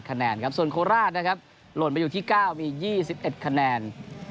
คะแนนครับส่วนโคราชนะครับหล่นไปอยู่ที่เก้ามียี่สิบเอ็ดคะแนน